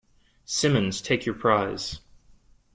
Simmons, take your prize.